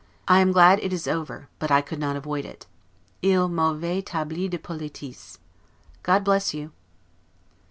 I glad it is over; but I could not avoid it. 'Il m'avait tabli de politesses'. God bless you!